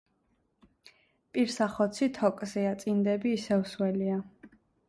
პირსახოცი თოკზეა, წინდები ისევ სველია.